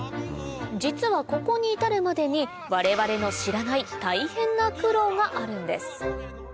実はここに至るまでに我々の知らない大変な苦労があるんです